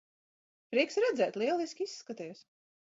Prieks redzēt. Lieliski izskaties.